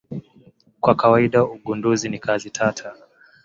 Kwa kawaida ugunduzi ni kazi tata.